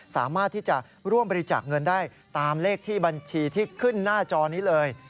สามารถที่จะร่วมบริจาคเงินได้ตามเลขที่บัญชีที่ขึ้นหน้าจอนี้เลย